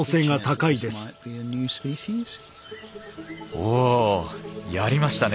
おおやりましたね！